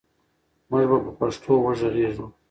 موږ به په پښتو وغږېږو.